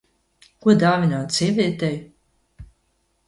Ko dāvināt sievietei?